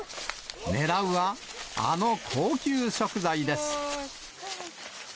ねらうはあの高級食材です。